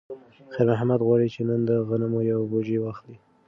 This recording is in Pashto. خیر محمد غواړي چې نن د غنمو یوه بوجۍ واخلي.